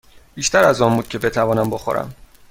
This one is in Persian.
بیشتر از آن بود که بتوانم بخورم.